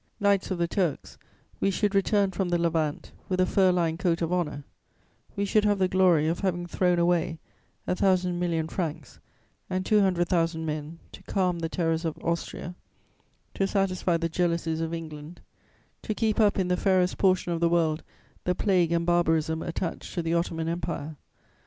Knights of the Turks, we should return from the Levant with a fur lined coat of honour; we should have the glory of having thrown away a thousand million francs and two hundred thousand men to calm the terrors of Austria, to satisfy the jealousies of England, to keep up in the fairest portion of the world the plague and barbarism attached to the Ottoman Empire.